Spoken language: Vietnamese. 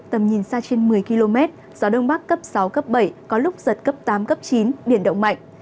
tầm nhìn xa trên một mươi km gió đông bắc cấp sáu cấp bảy có lúc giật cấp tám cấp chín biển động mạnh